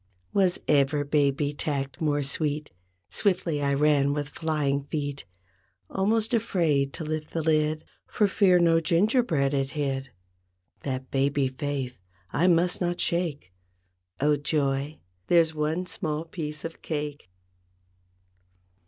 Was ever baby tact more sweet? Swiftly I ran with flying feet. 35 Almost afraid to lift the lid For fear no gingerbread it hid. That baby faith, I must not shake— Oh joy, there's one small piece of cake!